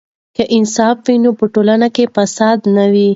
که انصاف وي نو په ټولنه کې فساد نه وي.